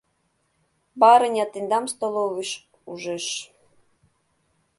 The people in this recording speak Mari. Барыня тендам столовыйыш ужеш.